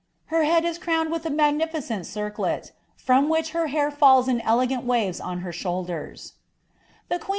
Her head is crowned with a :ent circlet, from which her hair falls in elegant waves on her lD|^m and Speed.